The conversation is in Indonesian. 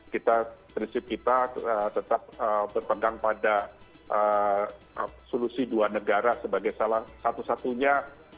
kita prinsip kita tetap berpegang pada solusi dua negara sebagai salah satu satunya